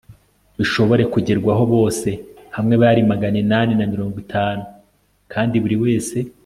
bishobore kugerwaho, bose hamwe bari magana inani na mirongo itanu kandi buri wese